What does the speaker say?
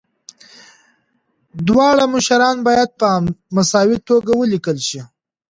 دواړه مشران باید په مساوي توګه ولیکل شي.